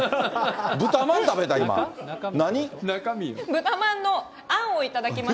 豚まんのあんを頂きます。